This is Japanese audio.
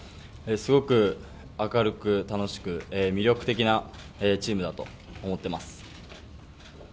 すごく明るく楽しく、魅力的なチームだと思っています。